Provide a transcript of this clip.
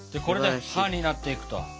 これでハになっていくと。